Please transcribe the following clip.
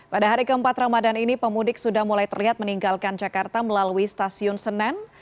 pada hari keempat ramadan ini pemudik sudah mulai terlihat meninggalkan jakarta melalui stasiun senen